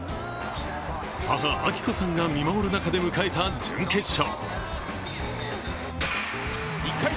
母・明子さんが見守る中で迎えた準決勝。